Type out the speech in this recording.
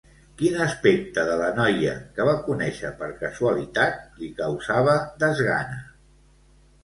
Quin aspecte de la noia que va conèixer per casualitat li causava desgana?